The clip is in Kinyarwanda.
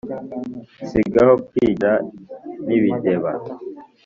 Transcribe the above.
si gaho kwigira ntibindeba